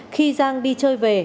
khi giang đi chơi về